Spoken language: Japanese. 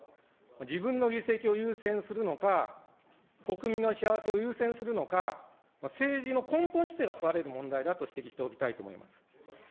自分の議席を優先するのか、国民の幸せを優先するのか、政治の根本姿勢が問われる問題だと指摘しておきたいと思います。